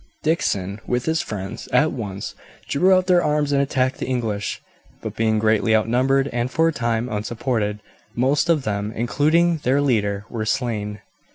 Dickson with his friends at once drew out their arms and attacked the English; but being greatly outnumbered and for a time unsupported, most of them, including their leader, were slain.